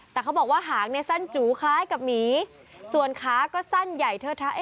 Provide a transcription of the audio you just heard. แต่เขาบอกว่าหางเนี่ยสั้นจูคล้ายกับหมีส่วนขาก็สั้นใหญ่เทิดท้าย